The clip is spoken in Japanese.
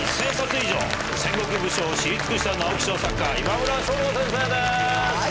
戦国武将を知り尽くした直木賞作家今村翔吾先生です。